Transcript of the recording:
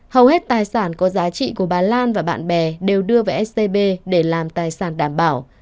hầu hết tài sản có giá trị của bà lan và bạn bè đều đưa về scb để làm tài sản đảm bảo